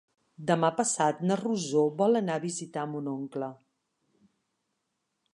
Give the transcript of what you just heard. Demà passat na Rosó vol anar a visitar mon oncle.